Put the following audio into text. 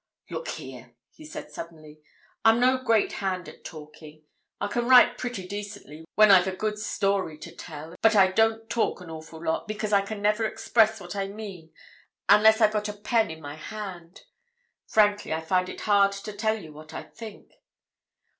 "Look here!" he said suddenly. "I'm no great hand at talking. I can write pretty decently when I've a good story to tell, but I don't talk an awful lot, because I never can express what I mean unless I've got a pen in my hand. Frankly, I find it hard to tell you what I think.